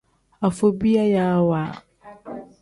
Afobiyayaawa.